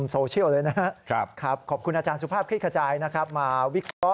โซเชียลเลยนะครับขอบคุณอาจารย์สุภาพคลิกขจายนะครับมาวิเคราะห